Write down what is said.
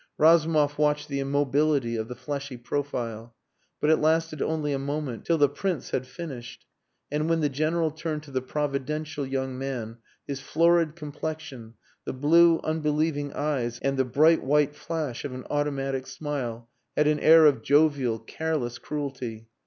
Razumov watched the immobility of the fleshy profile. But it lasted only a moment, till the Prince had finished; and when the General turned to the providential young man, his florid complexion, the blue, unbelieving eyes and the bright white flash of an automatic smile had an air of jovial, careless cruelty.